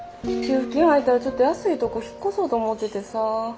給付金入ったらちょっと安いとこ引っ越そうと思っててさ。